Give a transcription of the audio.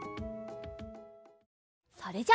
それじゃあ